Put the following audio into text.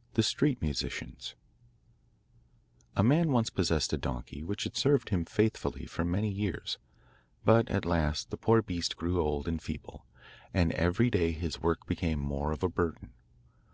] The Street Musicians A man once possessed a donkey which had served him faithfully for many years, but at last the poor beast grew old and feeble, and every day his work became more of a burden.